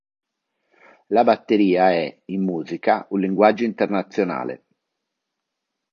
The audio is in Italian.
La batteria è, in musica, un linguaggio internazionale.